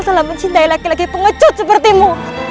salah mencintai laki laki pengecut sepertimu